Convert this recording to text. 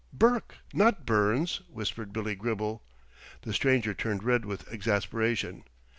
"Burke, not Burns," whispered Billy Gribble. The stranger turned red with exasperation.